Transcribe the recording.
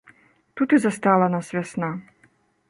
Тут і застала нас вясна.